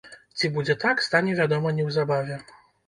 Ці будзе так, стане вядома неўзабаве.